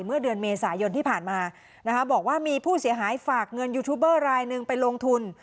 เมื่อเดือนเมษายนที่ผ่านมานะคะบอกว่ามีผู้เสียหายฝากเงินยูทูบเบอร์รายหนึ่งไปลงทุน